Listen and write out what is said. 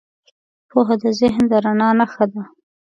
پوهه د ذهن د رڼا نښه ده.